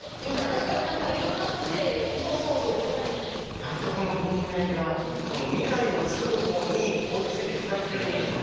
やっとこの文明が未来を作る方に追いついてきたっていうことなんですかね。